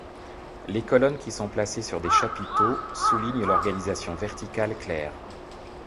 Les colonnes qui sont placées sur des chapiteaux, soulignent l'organisation verticale claire.